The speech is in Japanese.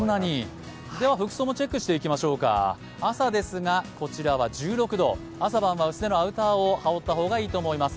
服装もチェックしていきましょうか、朝ですが、こちらは１６度、朝晩は薄手のアウターを羽織った方がいいと思います。